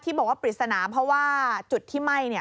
ที่บอกว่าปริศนาเพราะว่าจุดที่ไหม้เนี่ย